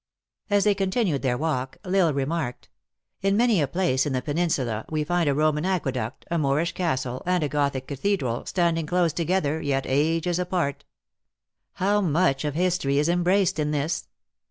As they continued their walk, L Isle remarked, "In many a place in the peninsula we find a Roman aqueduct, a Moorish castle, and a Gothic cathedral standing close together, yet ages apart. How much THE ACTRESS IN HIGH LIFE. 173 of history is embraced in this?